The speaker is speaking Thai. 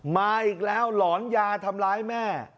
มาอีกแล้วหลอนยาทำร้ายแม่